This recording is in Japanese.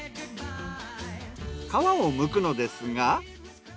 皮をむくのですが。